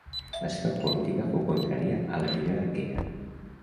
La seva política fou contrària a la Lliga Aquea.